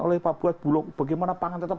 oleh pak buat bulog bagaimana pangan tetap